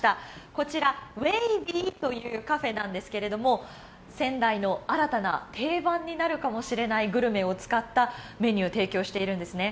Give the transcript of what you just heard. こちらＷＡＶＹというカフェなんですけれども仙台の新たな定番になるかもしれないグルメを使ったメニューを提供しているんですね。